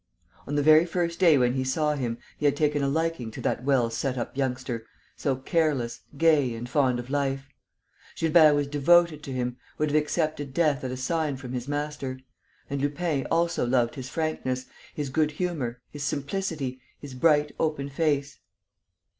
On the very first day when he saw him, he had taken a liking to that well set up youngster, so careless, gay and fond of life. Gilbert was devoted to him, would have accepted death at a sign from his master. And Lupin also loved his frankness, his good humour, his simplicity, his bright, open face.